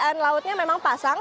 dan lautnya memang pasang